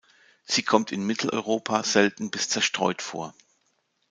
Sie kommt in Mitteleuropa selten bis zerstreut vor.